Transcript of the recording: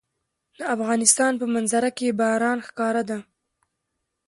د افغانستان په منظره کې باران ښکاره ده.